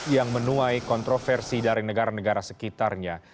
yang menuai kontroversi dari negara negara sekitarnya